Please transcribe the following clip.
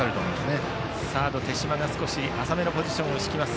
サードの手島が浅めのポジションを敷きます。